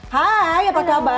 hai apa kabar